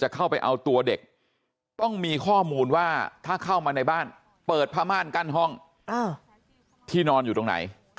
ข้อมูลว่าถ้าเข้ามาในบ้านเปิดพระม่านกั้นห้องที่นอนอยู่ตรงไหน